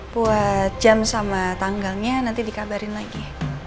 buat jam sama tanggalnya nanti dikabarin lagi